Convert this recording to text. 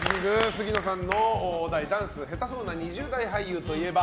杉野さんのお題ダンス下手そうな２０代俳優といえば？